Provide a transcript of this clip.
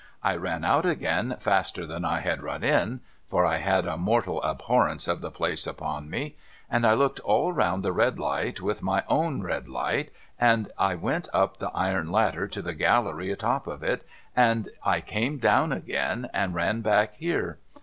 I ran out again faster than I had run in (for I had a mortal abhorrence of the place upon me), and I looked all round the red light with my own red light, and I went up the iron ladder to the gallery atop of it, and I came down again, and ran back here.